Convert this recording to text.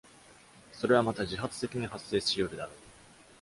それはまた自発的に発生しうるだろう。